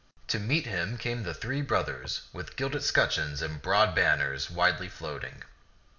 To meet him came the three brothers with gilded scutcheons and broad banners widely floating.